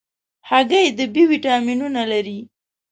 هګۍ د B ویټامینونه لري.